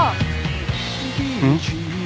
うん？